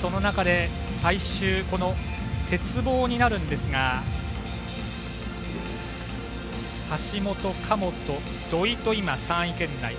その中で最終の鉄棒になるんですが橋本、神本、土井と３位圏内。